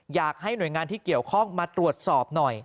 อยากให้หน่วยงานที่เกี่ยวข้องมาตรวจสอบหน่อย